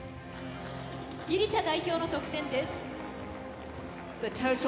ギリシャの得点です。